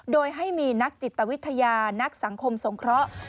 โดยให้มีนักจิตวิทยานักสังคมสงเคราะห์